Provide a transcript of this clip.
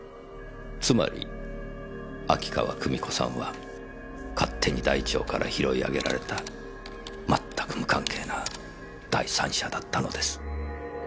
つまり秋川久美子さんは勝手に台帳から拾い上げられたまったく無関係な第三者だったのです。